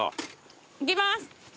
いきます。